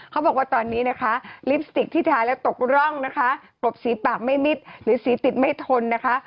เขาบอกว่าตอนนี้นะคะลิปสติกที่ทาแล้วตกร่องนะคะกรบสีปากไม่มิดหรือสีติดไม่ทนนะคะ